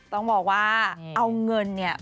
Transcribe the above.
ต้องบอกว่าเอาเงินเนี่ย